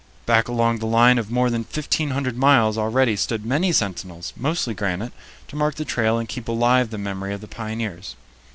Back along the line of more than fifteen hundred miles already stood many sentinels, mostly granite, to mark the trail and keep alive the memory of the pioneers.